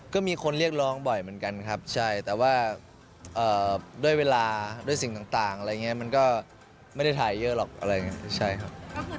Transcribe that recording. ก็มีคนเรียกร้องบ่อยเหมือนกันครับใช่แต่ว่าด้วยเวลาด้วยสิ่งต่างอะไรอย่างนี้มันก็ไม่ได้ถ่ายเยอะหรอกอะไรอย่างนี้ใช่ครับ